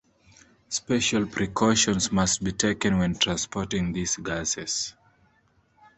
Special precautions must be taken when transporting these gases.